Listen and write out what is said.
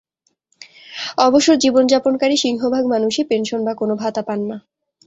অবসর জীবন যাপনকারী সিংহভাগ মানুষই পেনশন বা কোনো ভাতা পান না।